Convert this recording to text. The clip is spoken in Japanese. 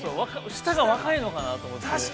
◆舌が若いのかなと思って。